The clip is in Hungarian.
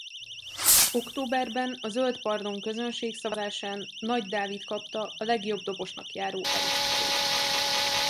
Októberben a Zöld Pardon közönségszavazásán Nagy Dávid kapta a legjobb dobosnak járó elismerést.